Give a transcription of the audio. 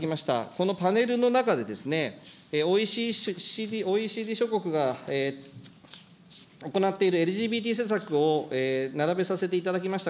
このパネルの中で、ＯＥＣＤ諸国が行っているＬＧＢＴ施策を並べさせていただきました。